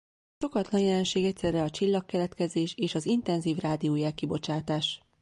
Szokatlan jelenség egyszerre a csillagkeletkezés és az intenzív rádiójel-kibocsátás.